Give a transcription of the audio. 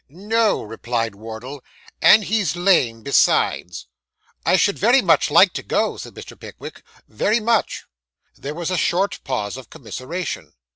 'No,' replied Wardle; 'and he's lame besides.' 'I should very much like to go,' said Mr. Pickwick 'very much.' There was a short pause of commiseration.